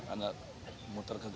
anda muter ke gelodok